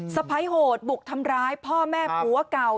สะพ้ายโหดบุกทำร้ายพ่อแม่ผัวเก่า